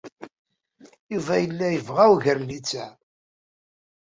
Yuba yella yebɣa ugar n littseɛ.